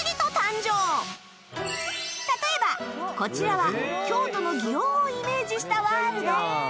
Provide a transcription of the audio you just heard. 例えばこちらは京都の園をイメージしたワールド